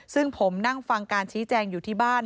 ซึ่งผมนั่งฟังการชี้แจงอยู่ที่บ้าน